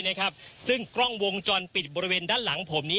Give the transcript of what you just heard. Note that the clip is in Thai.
นะครับซึ่งกล้องวงจรปิดบริเวณด้านหลังผมนี้